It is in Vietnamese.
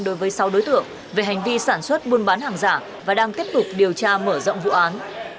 đối với sáu đối tượng về hành vi sản xuất buôn bán hàng giả và đang tiếp tục điều tra mở rộng vụ án